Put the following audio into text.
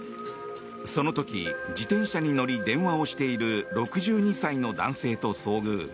その時、自転車に乗り電話をしている６２歳の男性と遭遇。